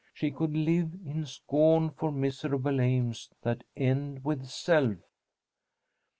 She could live "in scorn for miserable aims that end with self."